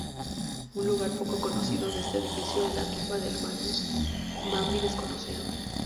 Un lugar poco conocido de este edificio es la "Tumba del Mambí Desconocido".